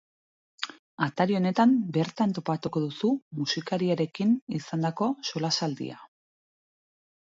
Atari honetan bertan topatuko duzu musikariarekin izandako solasaldia.